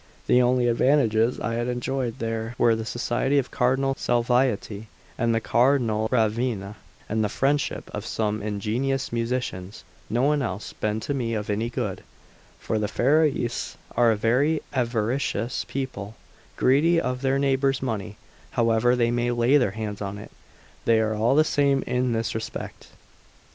The only advantages I had enjoyed there were the society of Cardinal Salviati and the Cardinal of Ravenna, and the friendship of some ingenious musicians; no one else had been to me of any good: for the Ferrarese are a very avaricious people, greedy of their neighbours' money, however they may lay their hands on it; they are all the same in this respect.